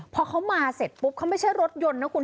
พอเขามาเสร็จปุ๊บเขาไม่ใช่รถยนต์นะคุณ